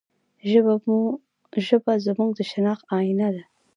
ژبه زموږ د شناخت آینه ده.